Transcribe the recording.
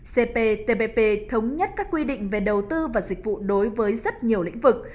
cptpp thống nhất các quy định về đầu tư và dịch vụ đối với rất nhiều lĩnh vực